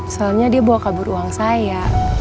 soalnya dia bawa kabur uang saya